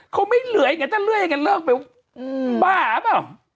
เขาไม่เหลือไงถ้าเลื่อยกันเลิกไปบ้าเปล่า